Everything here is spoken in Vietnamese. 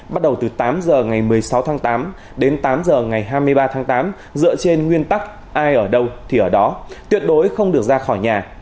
bắt đầu từ tám h ngày một mươi sáu tháng tám đến tám h ngày hai mươi ba tháng tám dựa trên nguyên tắc ai ở đâu thì ở đó tuyệt đối không được ra khỏi nhà